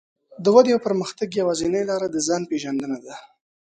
د ودې او پرمختګ يوازينۍ لار د ځان پېژندنه ده.